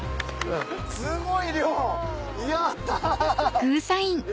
すごい量やった！え？